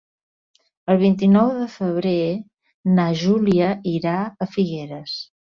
El vint-i-nou de febrer na Júlia irà a Figueres.